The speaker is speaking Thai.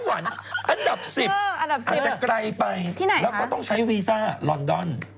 อันดับ๑๐อาจจะไกลไปแล้วก็ต้องใช้วีซ่าลอนดอน